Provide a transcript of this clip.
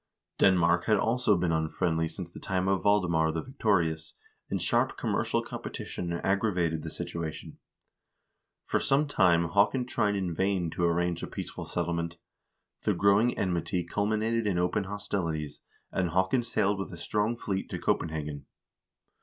Denmark had also been unfriendly since the time of Valdemar the Victorious, and sharp commercial competition aggravated the situa tion. Por some time Haakon tried in vain to arrange a peaceful settlement; the growing enmity culminated in open hostilities, and Haakon sailed with a strong fleet to Copenhagen.